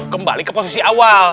kembali ke posisi awal